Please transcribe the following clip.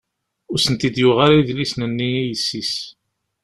Ur asent-ten-id-yuɣ ara idlisen-nni i yessi-s.